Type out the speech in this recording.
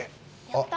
やった！